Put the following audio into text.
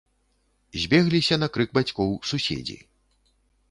Збегліся на крык бацькоў суседзі.